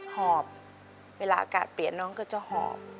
หอบเวลาอากาศเปลี่ยนน้องก็จะหอบ